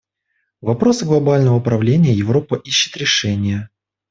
В вопросах глобального управления Европа ищет решения.